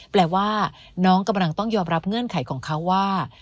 แปลว่าน้องกำลังต้องยอมรับเงื่อนไขของเขาว่า